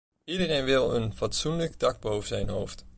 Iedereen wil een fatsoenlijk dak boven zijn hoofd.